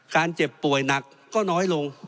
เจ็บป่วยหนักก็น้อยลง